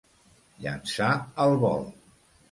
Llançar al vol.